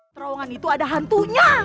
terowongan itu ada hantunya